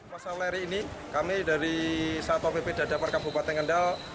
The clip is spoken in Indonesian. pasar lere ini kami dari satpol pp dadapar kabupaten kendal